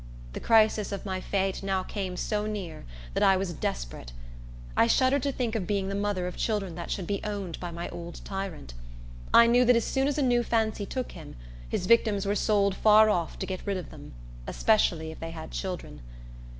The crisis of my fate now came so near that I was desperate. I shuddered to think of being the mother of children that should be owned by my old tyrant. I knew that as soon as a new fancy took him, his victims were sold far off to get rid of them; especially if they had children.